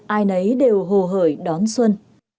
ai nấy đều hồ hởi đón xuân